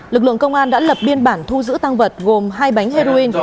lực lượng công an đã lập biên bản thu giữ tăng vật gồm hai bánh heroin